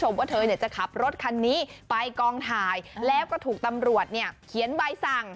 ว่าเธอจะขับรถคันนี้ไปกองถ่ายแล้วก็ถูกตำรวจเนี่ยเขียนใบสั่ง